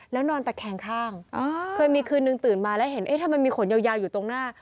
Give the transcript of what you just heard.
แล้วนอนตะแคงข้างเคยมีคืนนึงตื่นมาแล้วเห็นเอ๊ะทำไมมีขนยาวอยู่ตรงหน้า